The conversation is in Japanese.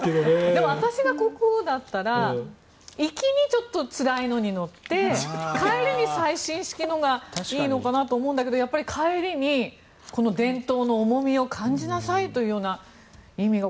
でも私が国王だったら行きにつらいのに乗って帰りに最新式のがいいのかなと思うんだけどやっぱり帰りにこの伝統の重みを感じなさいというような意味が